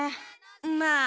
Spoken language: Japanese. まあ。